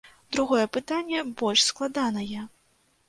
Другое пытанне больш складанае.